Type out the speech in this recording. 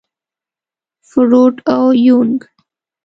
فروډ او يونګ.